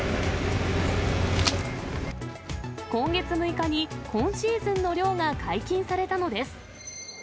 今月６日に今シーズンの漁が解禁されたのです。